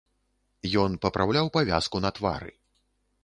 Ён папраўляў павязку на твары.